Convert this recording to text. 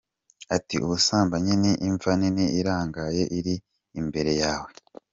Ati ‘Ubusambanyi ni imva nini irangaye iri imbere yawe.